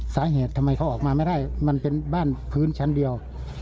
สาเหตุทำไมเขาออกมาไม่ได้มันเป็นบ้านพื้นชั้นเดียว